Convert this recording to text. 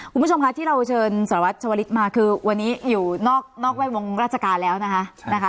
คุณผู้ชมคะที่เราเชิญสรวจชวลิศมาคือวันนี้อยู่นอกแวดวงราชการแล้วนะคะ